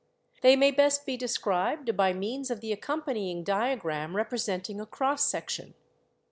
They may best be described by means of the ac companying diagram representing a cross section.